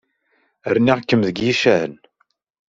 Rniɣ-kem deg yicahen.